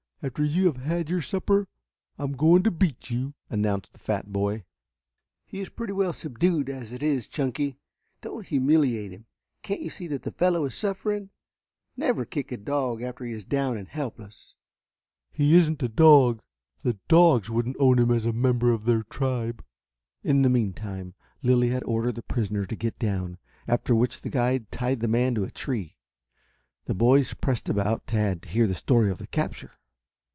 After you have had your supper I'm going to beat you," announced the fat boy. "He is pretty well subdued as it is, Chunky," answered Tad soberly. "Don't humiliate him. Can't you see that the fellow is suffering? Never kick a dog after he is down and helpless." "He isn't a dog. The dogs wouldn't own him as a member of their tribe." In the meantime, Lilly had ordered the prisoner to get down, after which the guide tied the man to a tree. The boys pressed about Tad to hear the story of the capture.